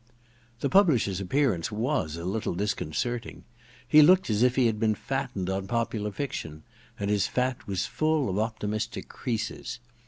The publisher's appearance was a little dis concerting. He looked as if he had been fattened on popular fiction ; and his fat was full of optimistic creases.